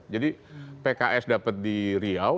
jadi pks dapat di riau